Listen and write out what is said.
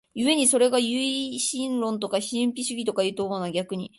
故にそれは唯心論とか神秘主義とかいうものとは逆に、